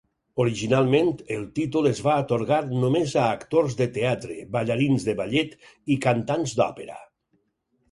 Originalment, el títol es va atorgar només a actors de teatre, ballarins de ballet i cantants d'òpera.